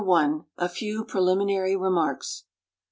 A FEW PRELIMINARY REMARKS.